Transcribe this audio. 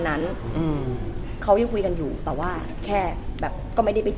เหมือนนางก็เริ่มรู้แล้วเหมือนนางก็เริ่มรู้แล้ว